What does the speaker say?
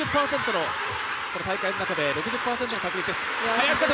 この大会の中で６０％の確率です。